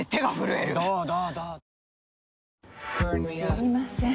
すみません。